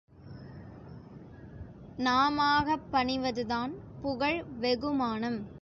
நாமாகப் பணிவதுதான் புகழ் வெகுமானம்.